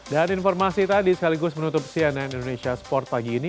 dan informasi tadi sekaligus menutup cnn indonesia sport pagi ini